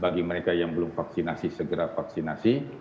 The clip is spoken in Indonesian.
bagi mereka yang belum vaksinasi segera vaksinasi